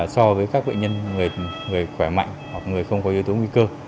so với các bệnh nhân người khỏe mạnh hoặc người không có yếu tố nguy cơ